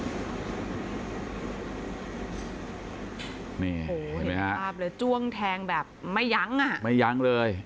โอ้โหเห็นไหมครับจ้วงแทงแบบไม่ยั้งไม่ยั้งเลย